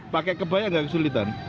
pakai kebaya nggak kesulitan